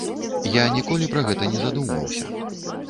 Я ніколі пра гэта не задумваўся.